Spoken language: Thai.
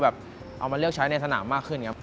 เอามาเลือกใช้ในสนามมากขึ้นครับ